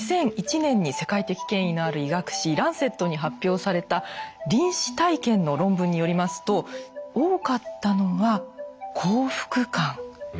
２００１年に世界的権威のある医学誌「ランセット」に発表された臨死体験の論文によりますと多かったのは幸福感。